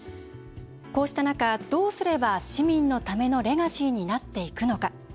こうした中どうすれば市民のためのレガシーになっていくのか。